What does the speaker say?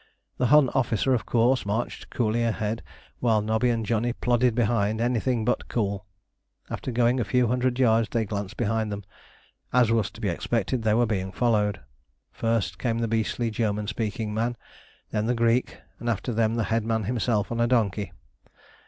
The Hun officer of course marched coolly ahead, while Nobby and Johnny plodded behind, anything but cool. After going a few hundred yards they glanced behind them. As was to be expected, they were being followed. First came the beastly German speaking man, then the Greek, and after them the headman himself on a donkey.